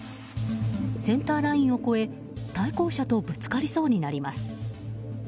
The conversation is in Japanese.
センターラインを越え対向車とぶつかりそうになります。